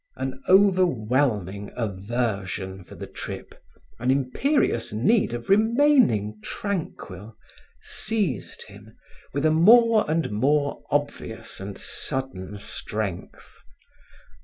An overwhelming aversion for the trip, an imperious need of remaining tranquil, seized him with a more and more obvious and stubborn strength.